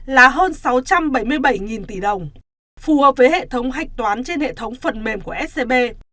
là hơn sáu trăm bảy mươi bảy tỷ đồng phù hợp với hệ thống hạch toán trên hệ thống phần mềm của scb